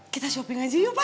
kita shopping aja yuk pak